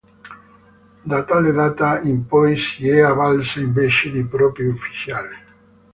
Da tale data in poi si è avvalsa invece di propri ufficiali.